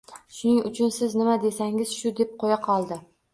Shuning uchun siz nima desangiz shu deb qo`ya qoldi